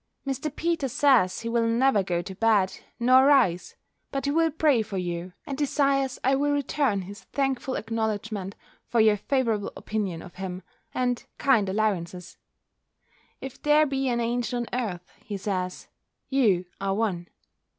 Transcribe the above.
Mr. Peters says, he will never go to bed, nor rise, but he will pray for you, and desires I will return his thankful acknowledgment for your favourable opinion of him, and kind allowances. If there be an angel on earth, he says, you are one.